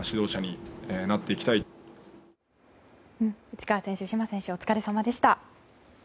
内川選手、嶋選手お疲れさまでした。